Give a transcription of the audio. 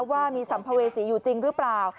ว่ามีสัมภเวษีอยู่จริงหรือเปล่า